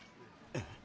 えっ？